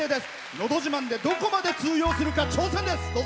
「のど自慢」でどこまで通用するか挑戦です。